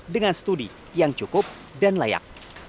dengan studi yang cukup dan layak